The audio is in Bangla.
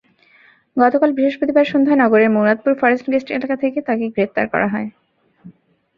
গতকাল বৃহস্পতিবার সন্ধ্যায় নগরের মুরাদপুর ফরেস্ট গেট এলাকা থেকে তাঁকে গ্রেপ্তার করা হয়।